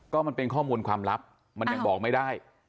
ก็มันเป็นข้อมูลความลับมันยังบอกไม่ได้